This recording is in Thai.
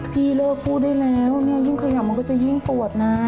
พี่เลิกพูดได้แล้วเนี่ยยิ่งเขย่ามันก็จะยิ่งปวดนะ